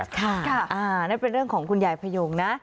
ค่ะนั่นเป็นเรื่องของคุณยายพยงนะ